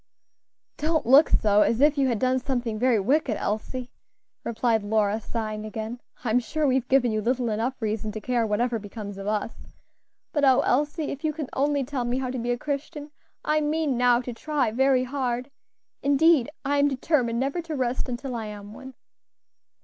"Don't look so as if you had done something very wicked, Elsie," replied Lora, sighing again. "I'm sure we have given you little enough reason to care whatever becomes of us; but oh! Elsie, if you can only tell me how to be a Christian, I mean now to try very hard; indeed, I am determined never to rest until I am one."